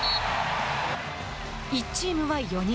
１チームは４人。